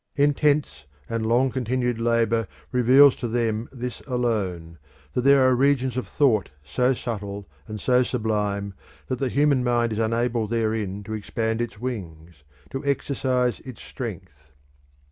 Intense and long continued labour reveals to them this alone, that there are regions of thought so subtle and so sublime that the human mine is unable therein to expand its wings, to exercise its strength.